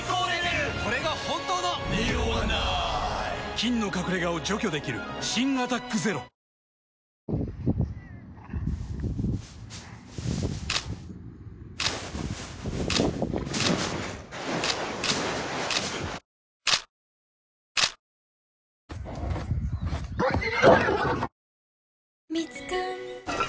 菌の隠れ家を除去できる新「アタックＺＥＲＯ」おや？